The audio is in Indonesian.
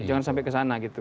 jangan sampai ke sana gitu